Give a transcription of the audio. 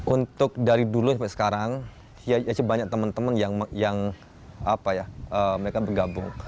untuk dari dulu sampai sekarang masih banyak teman teman yang mereka bergabung